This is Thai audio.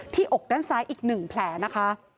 ที่อกด้านซ้ายอีกหนึ่งแผลนะคะ